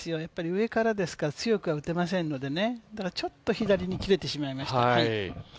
上からですから強くは打てませんので、ちょっと左に切れてしまいました。